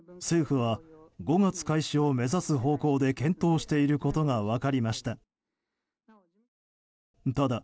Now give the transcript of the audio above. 政府は５月開始を目指す方向で検討していることが分かりました。